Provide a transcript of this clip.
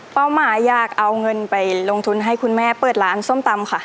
หมายอยากเอาเงินไปลงทุนให้คุณแม่เปิดร้านส้มตำค่ะ